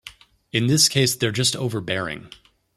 In this case they're just overbearing.